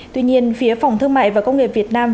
tuy nhiên phía phòng thương mại và công nghệ việt nam